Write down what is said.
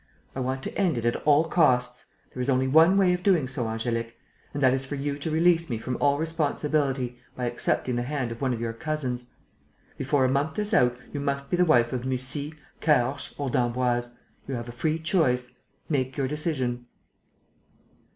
I want to end it at all costs. There is only one way of doing so, Angélique, and that is for you to release me from all responsibility by accepting the hand of one of your cousins. Before a month is out, you must be the wife of Mussy, Caorches or d'Emboise. You have a free choice. Make your decision."